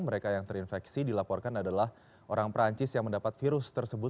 mereka yang terinfeksi dilaporkan adalah orang perancis yang mendapat virus tersebut